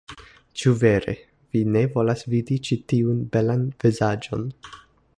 Ĉu vere? Vi ne volas vidi ĉi tiun belan vizaĝon?